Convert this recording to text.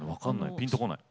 ピンと来ない。